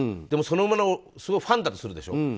でも、その馬のファンだとするでしょ。